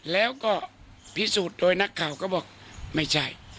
แล้วก็พิสูจน์โดยนักข่าวก็บอกไม่ใช่